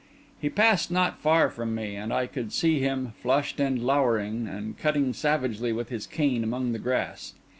He passed not far from me, and I could see him, flushed and lowering, and cutting savagely with his cane among the grass.